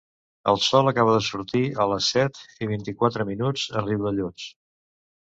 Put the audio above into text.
El sol acaba de sortir a les set i vint-i-quatre minuts a Riudellots